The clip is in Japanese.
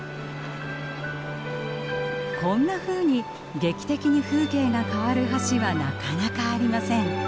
こんなふうに劇的に風景が変わる橋はなかなかありません。